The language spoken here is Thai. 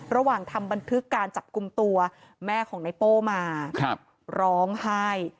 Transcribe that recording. ระหว่างทำบันทึกการจับกลุ่มตัวแม่ของในโป้มาร้องไห้